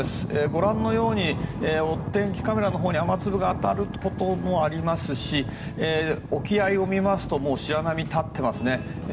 ご覧のように、お天気カメラに雨粒が当たることもありますし沖合を見ますと白波が立っていますね。